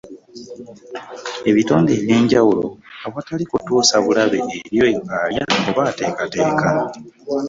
Ebitonde eby’enjawulo, awatali kutuusa bulabe eri oyo alya oba ateekateeka.